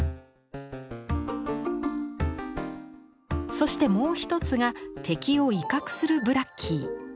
そしてもう一つが敵を威嚇するブラッキー。